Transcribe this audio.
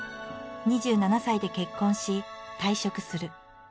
２７歳で結婚し退職する。